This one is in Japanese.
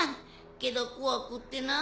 けど怖くってナ。